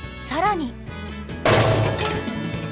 更に！